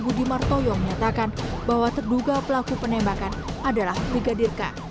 budi martoyo menyatakan bahwa terduga pelaku penembakan adalah brigadir k